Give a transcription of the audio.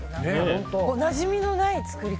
なじみのない作り方。